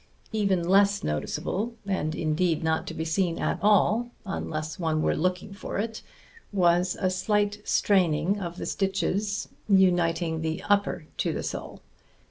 Even less noticeable, and indeed not to be seen at all unless one were looking for it, was a slight straining of the stitches uniting the upper to the sole.